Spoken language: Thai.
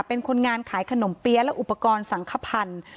เป็นคนงานขายขนมเปี๊ยะและอุปกรณ์สังขพันธ์